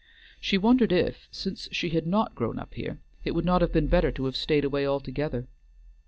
She wondered if, since she had not grown up here, it would not have been better to have stayed away altogether.